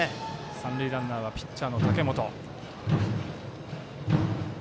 三塁ランナーはピッチャーの武元。